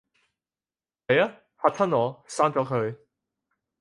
係吖，嚇親我，刪咗佢